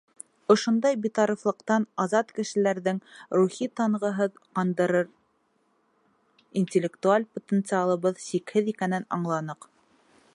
Ошондай битарафлыҡтан азат кешеләрҙең рухи танһығын ҡандырыр интеллектуаль потенциалыбыҙ сикһеҙ икәнен аңланыҡ.